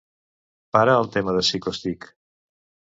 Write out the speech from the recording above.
Para el tema de Psychostick.